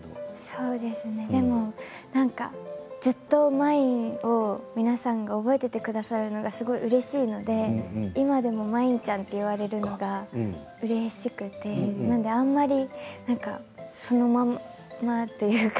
そうですね、でもずっとまいんを皆さん覚えていてくださるのがうれしいので今でも、まいんちゃんと言われるのが、うれしくてなので、あまりそのままというか。